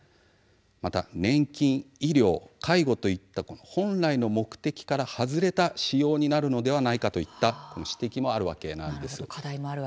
また、年金、医療、介護といった本来の目的から外れた使用になるのではないかといった指摘もあるわけなんです。